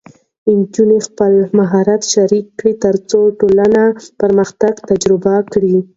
نجونې خپل مهارت شریک کړي، ترڅو ټولنه پرمختګ تجربه کړي.